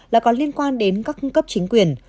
là có liên quan đến các cấp chính quyền